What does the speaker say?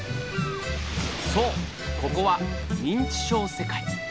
そうここは認知症世界。